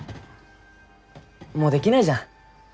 もうできないじゃん